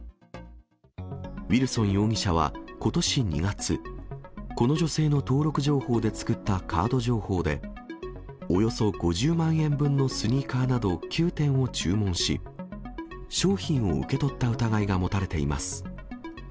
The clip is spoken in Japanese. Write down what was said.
ウィルソン容疑者はことし２月、この女性の登録情報で作ったカード情報で、およそ５０万円分のスニーカーなど９点を注文し、商品を受け取った疑いが持たれています。